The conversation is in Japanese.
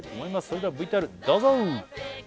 それではＶＴＲどうぞ！